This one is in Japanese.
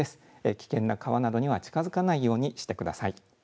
危険な川などには近づかないようにしてください。